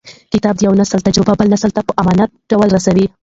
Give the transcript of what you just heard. کتاب د یو نسل تجربې بل نسل ته په امانت ډول رسوي.